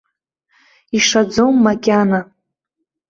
Ишаӡом макьана.